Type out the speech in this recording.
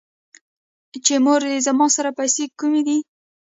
چې مورې زما سره پېسې کوم دي ـ